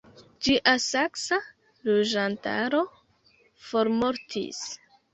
Ĝia saksa loĝantaro formortis.